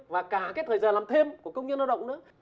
và cả cái thời giờ làm thêm của công nhân lao động nữa